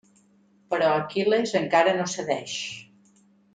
Però Aquil·les encara no cedeix.